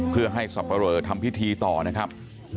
เพื่อให้สับปะเรอทำพิธีต่อนะครับ